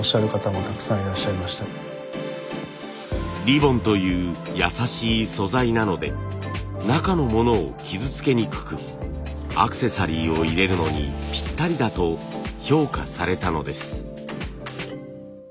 リボンという優しい素材なので中のものを傷つけにくくアクセサリーを入れるのにぴったりだと評価されたのです。